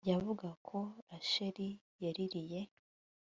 yavugaga ko Rasheli yaririye